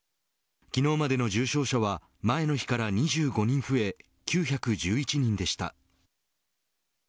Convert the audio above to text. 昨日までの重症者は前の日から２５人増え９１１人でした。